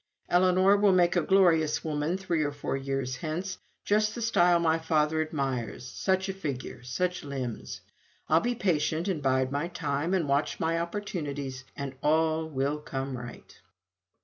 Ellinor will make a glorious woman three or four years hence; just the style my father admires such a figure, such limbs. I'll be patient, and bide my time, and watch my opportunities, and all will come right."